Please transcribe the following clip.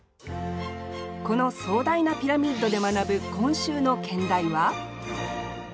この壮大なピラミッドで学ぶ今週の兼題は？